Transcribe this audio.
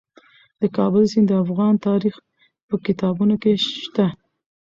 د کابل سیند د افغان تاریخ په کتابونو کې شته.